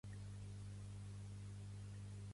Trucar a la UdL per telèfon.